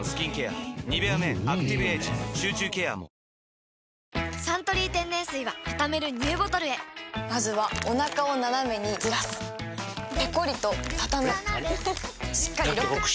「ニベアメンアクティブエイジ」集中ケアも「サントリー天然水」はたためるＮＥＷボトルへまずはおなかをナナメにずらすペコリ！とたたむしっかりロック！